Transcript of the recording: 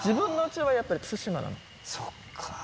そっか。